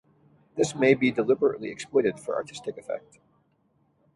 This may be deliberately exploited for artistic effect.